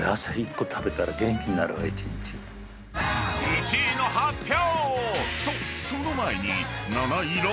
［１位の発表！］